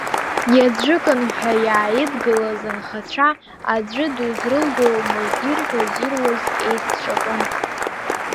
Иаӡәыкын ҳәа иааидгылаз анхацәа аӡәы дузрылгомызт, ирҳәоз-ируаз еицҿакын.